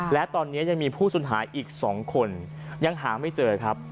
และตอนนี้ยังมีผู้สูญหายอีก๒คนยังหาไม่เจอครับ